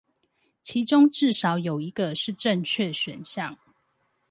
其中至少有一個是正確選項